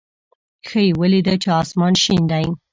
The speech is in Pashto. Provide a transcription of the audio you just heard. ښه یې ولېده چې اسمان شین دی.